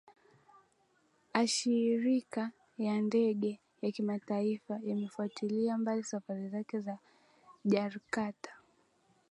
ashirika ya ndege ya kimataifa yamefutilia mbali safari zake za jarkarta